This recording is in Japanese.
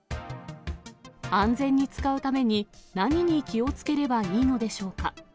安全に使うために、何に気をつければいいのでしょうか。